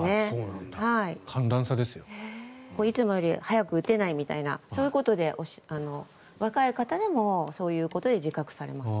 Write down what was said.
いつもより早く打てないみたいなそういうことで、若い方でもそういうことで自覚されます。